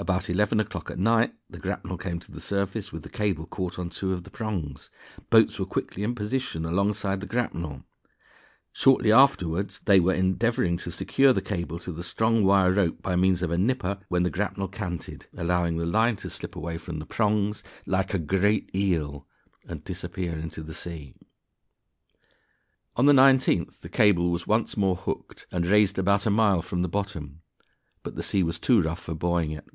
About eleven o'clock at night the grapnel came to the surface with the cable caught on two of the prongs. Boats were quickly in position alongside the grapnel. Shortly afterward they were endeavoring to secure the cable to the strong wire rope, by means of a nipper, when the grapnel canted, allowing the line to slip away from the prongs like a great eel and disappear into the sea. On the 19th the cable was once more hooked, and raised about a mile from the bottom, but the sea was too rough for buoying it.